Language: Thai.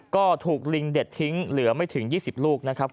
ก็ถูกลิงเด็ดทิ้งเหลือไม่ถึง๒๐ลูกนะครับ